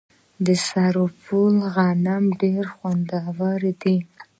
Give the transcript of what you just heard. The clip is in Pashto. د سرپل غنم ډیر خوندور دي.